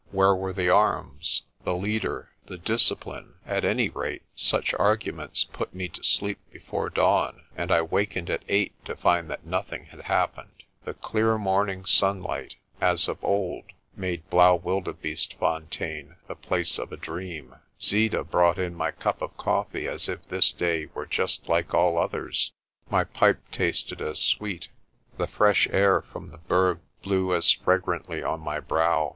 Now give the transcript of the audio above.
Where were the arms, the leader, the discipline? At any rate such arguments put me to sleep before dawn, and I wakened at eight to find that nothing had happened. The clear morning sunlight, as of old, made Blaauwildebeestefontein the place of a dream. Zeeta brought in my cup of coffee as if this day were just like all others, my pipe tasted as sweet, the fresh air from THE DRUMS BEAT AT SUNSET 85 the Berg blew as fragrantly on my brow.